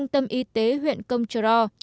tâm y tế huyện công trờ ro